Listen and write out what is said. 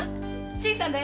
新さんだよ。